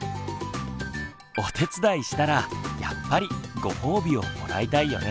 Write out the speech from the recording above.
お手伝いしたらやっぱり「ご褒美」をもらいたいよね。